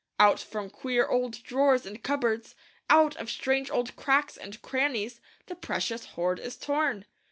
Out from queer old drawers and cupboards, out of strange old cracks and crannies, the precious hoard is torn.